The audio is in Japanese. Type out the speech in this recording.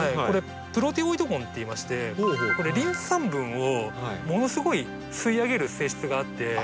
これプロテオイド根っていいましてこれリン酸分をものすごい吸い上げる性質があって。